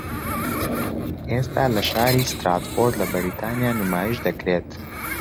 ئێستا لە شاری ستراتفۆرد لە بەریتانیا نمایشدەکرێت